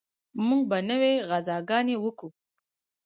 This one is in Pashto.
موږ به نورې غزاګانې وکو.